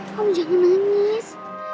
kamu jangan nangis